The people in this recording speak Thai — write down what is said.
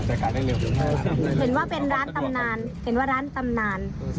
เห็นว่าเป็นร้านตำนานเห็นว่าร้านตำนาน